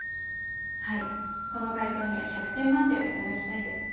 はいこの解答には１００点満点を頂きたいです。